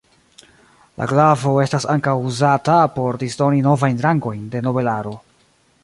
La glavo estas ankaŭ uzata por disdoni novajn rangojn de nobelaro.